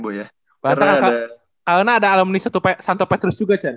karena ada alumni santo petrus juga cun